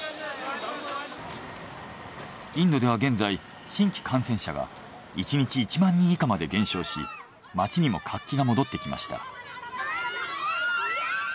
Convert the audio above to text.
インドでは現在新規感染者が１日１万人以下まで減少し街にも活気が戻ってきました。